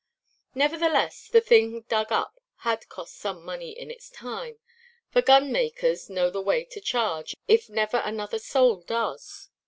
Nevertheless, the thing dug up had cost some money in its time, for gunmakers know the way to charge, if never another soul does.